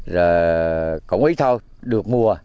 rồi cũng ít thôi được mua